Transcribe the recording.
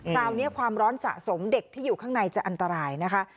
คราวนี้ความร้อนสะสมเด็กที่อยู่ข้างในจะอันตรายนะคะ